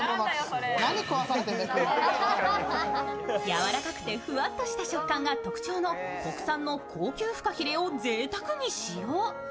やわらかくてふわっとした食感が特徴の国産の高級ふかひれをぜいたくに使用。